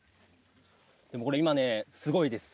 これ今ねすごいです。